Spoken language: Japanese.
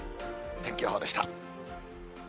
天気予報でした。